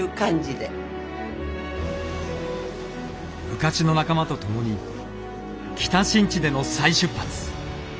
昔の仲間と共に北新地での再出発。